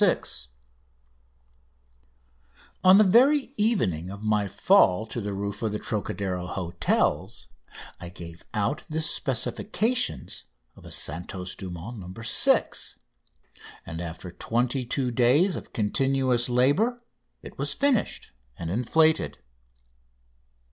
6" On the very evening of my fall to the roof of the Trocadero hotels I gave out the specifications of a "Santos Dumont, No. 6," and after twenty two days of continuous labour it was finished and inflated.